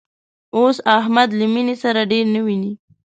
اوس احمد له مینې سره ډېر نه ویني